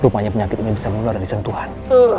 rupanya penyakit ini bisa menular dari sentuhan